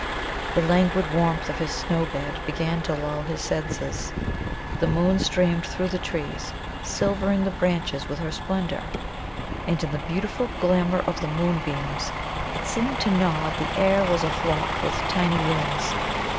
The languid warmth of his snow bed began to lull his senses. The moon streamed through the trees, silvering the branches with her splendour. And in the beautiful glamour of the moonbeams it seemed to Nod the air was aflock with tiny wings.